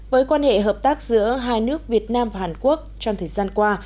với quan hệ hợp tác giữa hai nước việt nam và hàn quốc trong thời gian qua